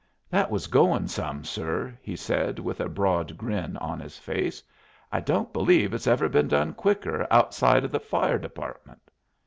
"That was goin' some, sir," he said, with a broad grin on his face. "I don't believe it's ever been done quicker outside o' the fire department."